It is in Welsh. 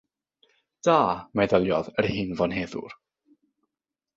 "Da," meddyliodd yr hen fonheddwr.